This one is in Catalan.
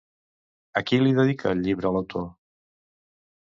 A qui li dedica el llibre l'autor?